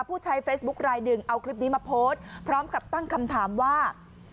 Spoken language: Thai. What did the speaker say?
ผู้ใช้เฟซบุ๊คลายหนึ่งเอาคลิปนี้มาโพสต์พร้อมกับตั้งคำถามว่า